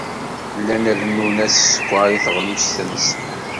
Llan rennun-as sskeṛ i teɣlust-nsen.